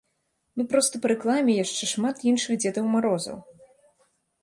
Ну, проста па рэкламе яшчэ шмат іншых дзедаў марозаў.